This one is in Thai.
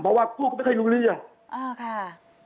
เพราะว่าพูดก็ไม่ค่อยรู้เรื่องอ่าค่ะ